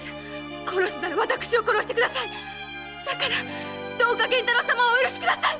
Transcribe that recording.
だからどうか源太郎様をお許しください！